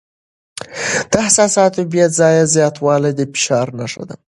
د احساساتو بې ځایه زیاتوالی د فشار نښه ده.